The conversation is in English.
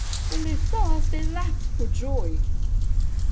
When they saw us they laughed for joy."